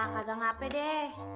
kagak ngapain deh